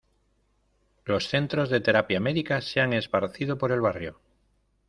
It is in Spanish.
Los centros de terapia médica se han esparcido por el barrio.